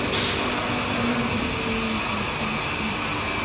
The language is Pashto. ستوري د خدای مخلوقات دي.